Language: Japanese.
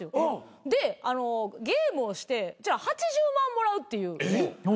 でゲームをして８０万もらうっていう。